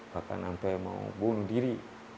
bahkan sampai mau bunuh diri